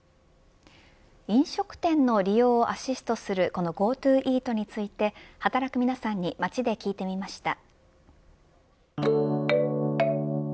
飲食店の利用をアシストするこのＧｏＴｏイートについて働く皆さんに街で聞いてみました